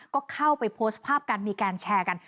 ก็เข้าไปโพสต์ภาพกันมีการแชร์กัน